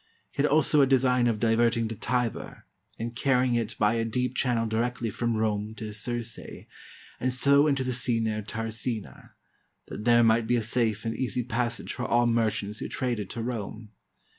He had also a design of diverting the Tiber, and carrying it by a deep channel directly from Rome to Circeii, and so into the sea near Tarracina, that there might be a safe and easy passage for all merchants who traded to Rome.